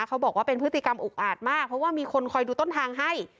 เขาบอกว่าเป็นพฤติกรรมอุกอาจมากเพราะว่ามีคนคอยดูต้นทางให้